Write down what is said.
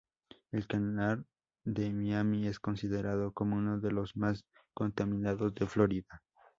El canal de Miami es considerado como uno de los más contaminados de Florida.